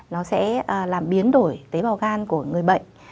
nó sẽ làm biến đổi tế bào gan của người bệnh